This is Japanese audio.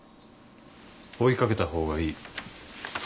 追いかけたほうがいい。